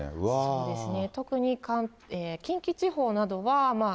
そうですね。